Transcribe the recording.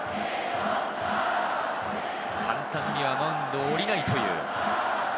簡単にはマウンドを降りないという。